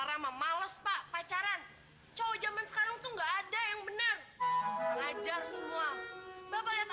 rama males pak pacaran cowok zaman sekarang tuh enggak ada yang benar ngajar semua bapak lihat